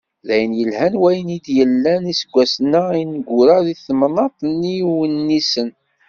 D ayen yelhan wayen i d-yellan iseggasen-a ineggura di temnaḍt n Yiwennisen.